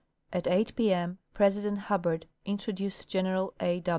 At 8 p m President Hubbard introduced General A.